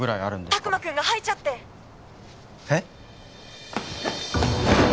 「拓磨くんが吐いちゃって」えっ？